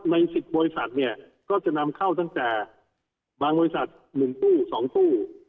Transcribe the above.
ในสิทธิ์บริษัทเนี่ยก็จะนำเข้าตั้งแต่บางบริษัทหนึ่งตู้สองตู้